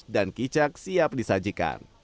dan kicak siap disajikan